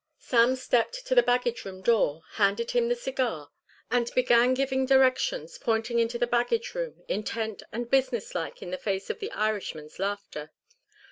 Sam stepped to the baggage room door, handed him the cigar, and began giving directions, pointing into the baggage room, intent and business like in the face of the Irishman's laughter.